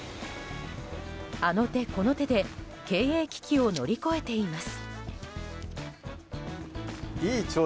あの手この手で経営危機を乗り越えています。